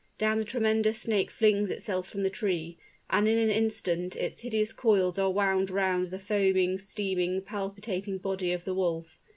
Down the tremendous snake flings itself from the tree and in an instant its hideous coils are wound round the foaming, steaming, palpitating body of the wolf.